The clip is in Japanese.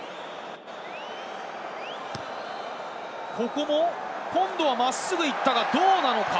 ここも今度は真っすぐいったがどうなのか？